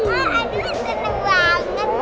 aduh seneng banget